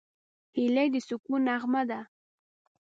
هیلۍ د سکون نغمه ده